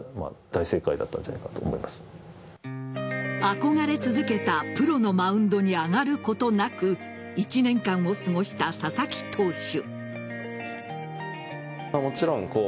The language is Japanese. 憧れ続けたプロのマウンドに上がることなく１年間を過ごした佐々木投手。